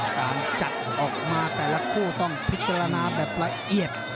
การจัดออกมาแต่ละคู่ต้องพิจารณาแบบละเอียด